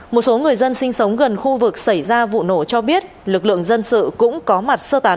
một số người dân sinh sống gần khu vực xảy ra vụ nổ cho biết lực lượng dân sự cũng có mặt sơ tán